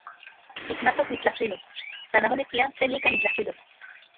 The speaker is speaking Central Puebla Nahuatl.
Nikmatok nitlajkuilos, san amo nikpia tlen ika nitlajkuilos.